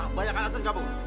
ah banyak kan asin kamu